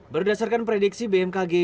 berdasarkan prediksi bmkg